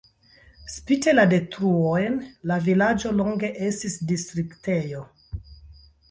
Spite la detruojn la vilaĝo longe estis distriktejo.